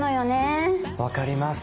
分かります。